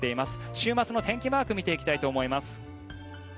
週末の天気マーク見ていきたいと思います。